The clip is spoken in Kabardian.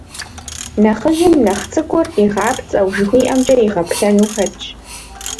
Нэхъыжьым нэхъ цӏыкӏур, къигъапцӏэу, жыхуиӏэмкӏэ игъэплъэну хэтщ.